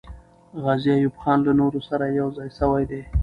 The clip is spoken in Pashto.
غازي ایوب خان له نورو سره یو ځای سوی دی.